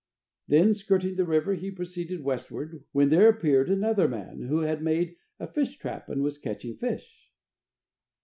Then, skirting the river, he proceeded westward, when there appeared another man, who had made a fishtrap and was catching fish.